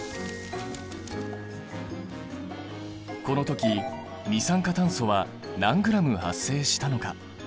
この時二酸化炭素は何ｇ発生したのか？